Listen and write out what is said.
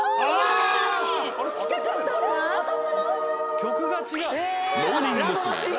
「曲が違う」